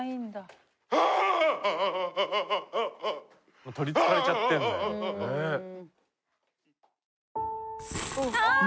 もう取りつかれちゃってんだよ。